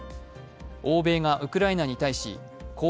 欧米がウクライナに対し高